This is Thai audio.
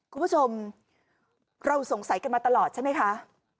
คุณผู้ชมเราสงสัยกันมาตลอดใช่ไหมคะ